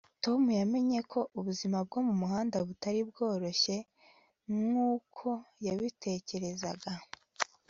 tom yamenye ko ubuzima bwo mumuhanda butari bworoshye nkuko yabitekerezaga